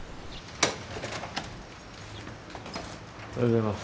おはようございます。